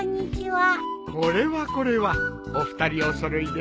これはこれはお二人お揃いで。